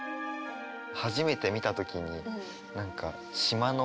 初めて見た時に何かうんうん。